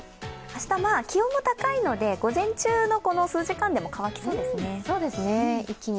明日、気温が高いので午前中の数時間でも乾きそうですね。